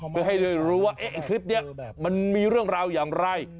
เพื่อให้ได้รู้ว่าไอ้คลิปนี้มันมีเรื่องราวอย่างไร